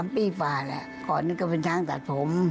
๓ปีกว่าแหละก่อนนี้ก็เป็นช้างตัดผม